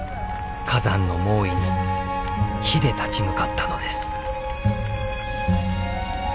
火山の猛威に火で立ち向かったのです。